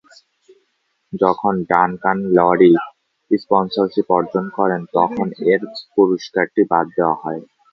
যখন Duncan Lawrie sponsorship অর্জন করেন, তখন এই পুরস্কারটি বাদ দেওয়া হয়।